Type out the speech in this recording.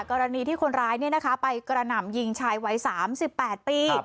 กรณีที่คนร้ายไปกระหน่ำยิงชายวัย๓๘ปี